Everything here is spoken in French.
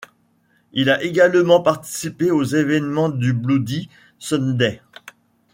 Il a également participé aux événements du Bloody Sunday.